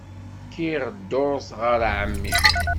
Kkiɣ dduṛt ɣer ɛemmi.